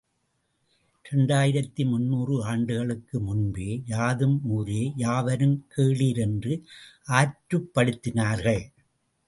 இரண்டாயிரத்து முந்நூறு ஆண்டுகளுக்கு முன்பே யாதும் ஊரே யாவரும் கேளிர் என்று ஆற்றுப்படுத்தினார்கள்.